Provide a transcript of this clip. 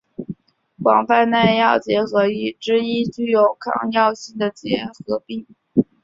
广泛耐药结核之一具有抗药性的结核病。